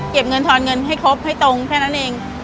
เงินทอนเงินให้ครบให้ตรงแค่นั้นเอง